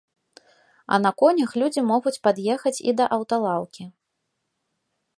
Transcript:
А на конях людзі могуць пад'ехаць і да аўталаўкі.